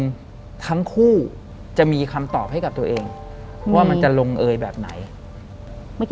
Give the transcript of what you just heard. หลังจากนั้นเราไม่ได้คุยกันนะคะเดินเข้าบ้านอืม